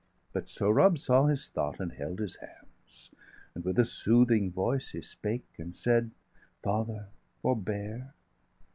705 But Sohrab saw his thought, and held his hands, And with a soothing voice he spake, and said: "Father, forbear!